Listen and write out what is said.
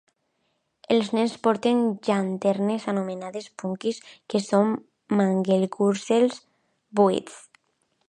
Els nens porten llanternes anomenades "Punkies", que són "mangelwurzels" buits.